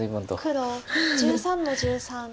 黒１３の十三ツケ。